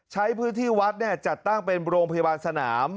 ใช้พื้นที่วัดจัดตั้งเป็นโรงพยาบาลสนาม